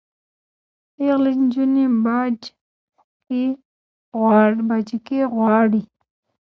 پیغلي نجوني باج کي غواړي